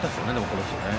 この人ね。